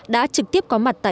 đã trực tiếp có mặt tại